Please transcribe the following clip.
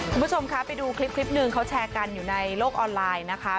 คุณผู้ชมคะไปดูคลิปหนึ่งเขาแชร์กันอยู่ในโลกออนไลน์นะคะ